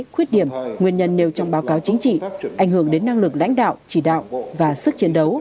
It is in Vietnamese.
khuyết điểm nguyên nhân nêu trong báo cáo chính trị ảnh hưởng đến năng lực lãnh đạo chỉ đạo và sức chiến đấu